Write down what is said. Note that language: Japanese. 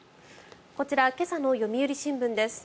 こちら、今朝の読売新聞です。